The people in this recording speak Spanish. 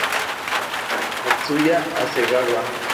Tatsuya Hasegawa